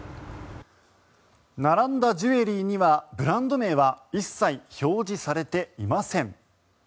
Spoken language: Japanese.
並んだジュエリーにはブランド名は一切表示されていません。